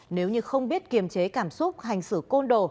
nếu như không biết kiềm chế cảm xúc hành xử côn đồ